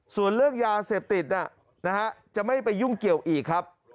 ส่วนเรื่องยาเสพติดจะไม่ไปยุ่งเกี่ยวอีกครับ